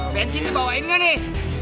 bensin dibawain gak nih